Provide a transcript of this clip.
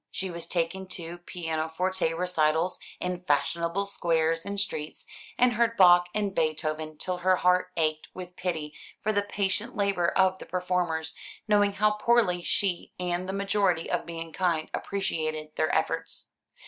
She was taken to pianoforte recitals in fashionable squares and streets, and heard Bach and Beethoven till her heart ached with pity for the patient labour of the performers, knowing how poorly she and the majority of mankind appreciated their efforts.